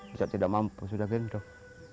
bisa tidak mampu sudah gendong